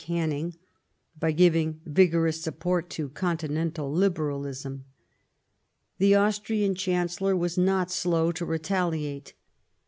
109 Canning," by giving vigorous support to continental Liberalism. The Austrian Chancellor was not slow to retaliate.